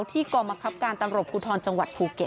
กรมคับการตำรวจภูทรจังหวัดภูเก็ต